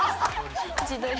自撮り。